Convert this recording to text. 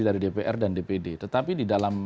dari dpr dan dpd tetapi di dalam